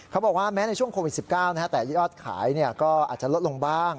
เขาบอกว่าแม้ในช่วงโควิด๑๙แต่ยอดขายก็อาจจะลดลงบ้าง